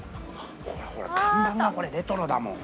これほら看板がこれレトロだもん。